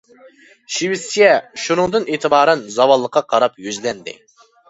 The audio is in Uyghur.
شىۋېتسىيە شۇنىڭدىن ئېتىبارەن زاۋاللىققا قاراپ يۈزلەندى.